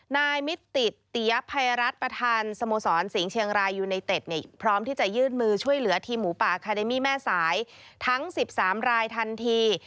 นายมิตติดเตียภัยรัฐประธานสโมสรสิงห์เชียงรายยูไนเต็ดเนี่ยพร้อมที่จะยื่นมือช่วยเหลือทีมหมูป่าคาเดมี่แม่สายทั้ง๑๓รายทันที